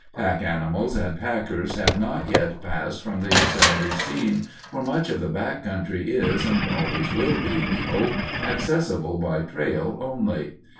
Pack animals and packers have not yet passed from the Yosemite scene, for much of the back country is, and always will be, we hope, accessible by trail only.